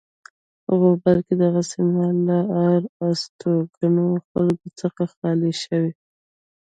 غوبل کې دغه سیمې له آر استوګنو خلکو څخه خالی شوې.